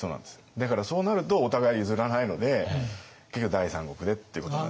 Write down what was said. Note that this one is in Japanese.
だからそうなるとお互い譲らないので結局第三国でっていうことになるんですよ。